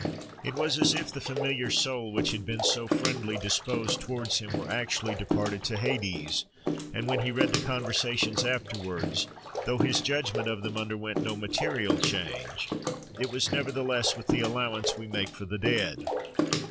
It was as if the familiar soul which had been so friendly disposed towards him were actually departed to Hades; and when he read the Conversations afterwards, though his judgment of them underwent no material change, it was nevertheless with the allowance we make for the dead.